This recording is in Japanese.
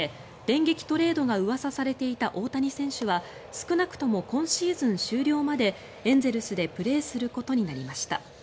電撃トレードがうわさされていた大谷選手は少なくとも今シーズン終了までエンゼルスでプレーすることになりました。